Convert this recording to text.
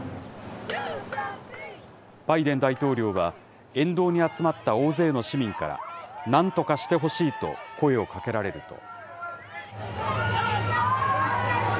バイデン大統領は、沿道に集まった大勢の市民から、なんとかしてほしいと、声をかけられると。